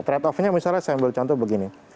trade offnya misalnya saya ambil contoh begini